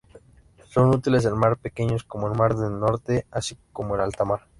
Son útiles en mares pequeños, como el Mar del Norte, así como en altamar.